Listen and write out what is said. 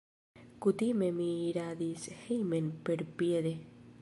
Kutime mi iradis hejmen perpiede.